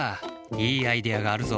いいアイデアがあるぞ。